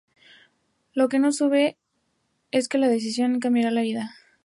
Lo que no sabe, es que esa decisión le cambiará la vida.